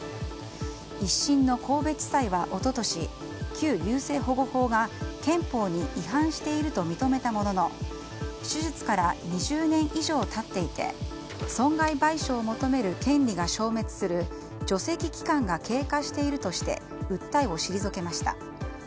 １審の神戸地裁は一昨年旧優生保護法が憲法に違反していると認めたものの手術から２０年以上経っていて損害賠償を求める権利が消滅する除斥期間が経過しているとして訴えを退けました。